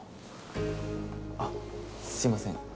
あっすいません。